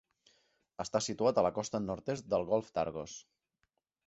Està situat a la costa nord-est del golf d'Argos.